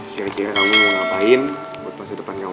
kira kira kamu mau ngapain buat masa depan kamu